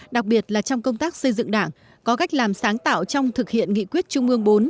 đặc biệt là trong công tác xây dựng đảng có cách làm sáng tạo trong thực hiện nghị quyết trung ương bốn